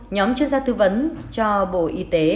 nhóm chuyên gia thư vấn cho bộ y tế